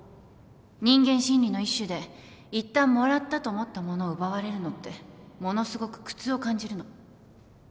人間心理の一種でいったんもらったと思ったものを奪われるのってものすごく苦痛を感じるの。